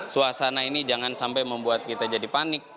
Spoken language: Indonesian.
suasana ini jangan sampai membuat kita jadi panik